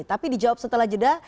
tapi dijawab setelah jeda